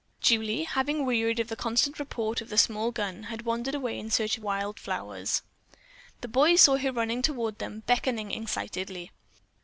Julie, having wearied of the constant report of the small gun, had wandered away in search of wild flowers. The boys saw her running toward them, beckoning excitedly.